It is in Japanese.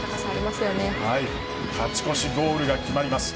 勝ち越しゴールが決まります。